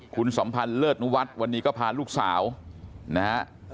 คุณสัมพันธ์เลิศนุวัฒน์วันนี้ก็พาลูกสาวนะฮะ